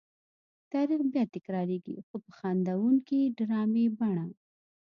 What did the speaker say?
تاریخ بیا تکرارېږي خو په خندوونکې ډرامې بڼه.